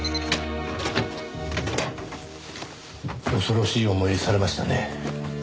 恐ろしい思いされましたね。